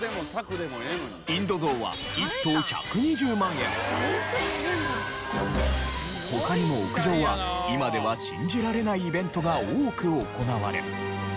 インド象は１頭他にも屋上は今では信じられないイベントが多く行われ。